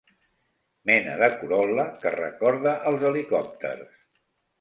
Mena de corol·la que recorda els helicòpters.